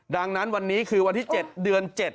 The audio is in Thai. ดังนั้นวันนี้คือวันที่๗เดือน๗